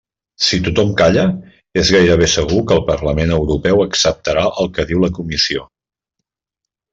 Si tothom calla, és gairebé segur que el Parlament Europeu acceptarà el que diu la Comissió.